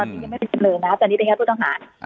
อันนี้ไม่เป็นจำเลยนะฮะแต่วันนี้เป็นข้อต้องหาร